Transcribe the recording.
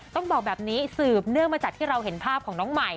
ต้องบอกแบบนี้สืบเนื่องมาจากที่เราเห็นภาพของน้องใหม่